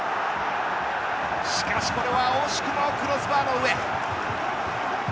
しかしこれは惜しくもクロスバーの上。